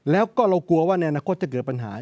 แล้วก็เรากลัวว่าในอนาคตจะเกิดปัญหา